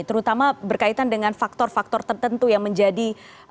terutama berkaitan dengan faktor faktor tertentu yang menjadi